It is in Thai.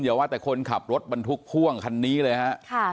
อย่าว่าแต่คนขับรถบรรทุกพ่วงคันนี้เลยฮะ